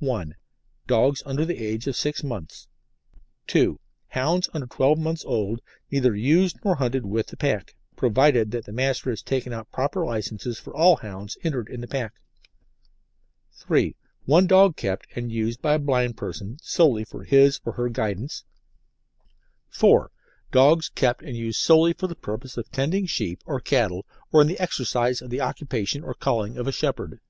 (1) Dogs under the age of six months; (2) hounds under twelve months old neither used nor hunted with the pack, provided that the Master has taken out proper licences for all hounds entered in the pack; (3) one dog kept and used by a blind person solely for his or her guidance; (4) dogs kept and used solely for the purpose of tending sheep or cattle or in the exercise of the occupation or calling of a shepherd.